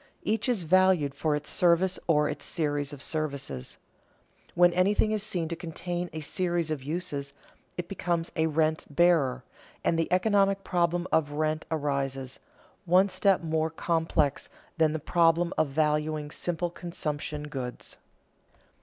Each is valued for its service or its series of services. When anything is seen to contain a series of uses, it becomes a rent bearer, and the economic problem of rent arises, one step more complex than the problem of valuing simple consumption goods.